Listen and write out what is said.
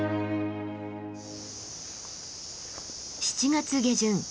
７月下旬